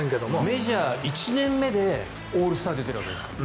メジャー１年目でオールスター出ているわけですから。